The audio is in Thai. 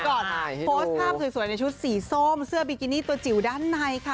โพสต์ภาพสวยในชุดสีส้มเสื้อบิกินี่ตัวจิ๋วด้านในค่ะ